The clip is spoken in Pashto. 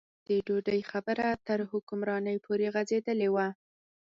دا د ډوډۍ خبره تر حکمرانۍ پورې غځېدلې وه.